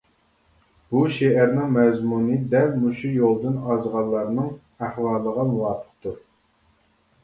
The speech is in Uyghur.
بۇ شېئىرنىڭ مەزمۇنى دەل مۇشۇ يولدىن ئازغانلارنىڭ ئەھۋالىغا مۇۋاپىقتۇر.